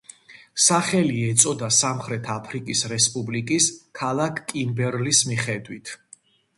სახელი ეწოდა სამხრეთ აფრიკის რესპუბლიკის ქალაქ კიმბერლის მიხედვით.